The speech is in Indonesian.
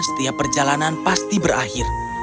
setiap perjalanan pasti berakhir